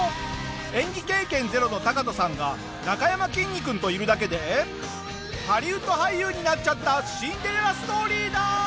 演技経験ゼロのタカトさんがなかやまきんに君といるだけでハリウッド俳優になっちゃったシンデレラストーリーだ！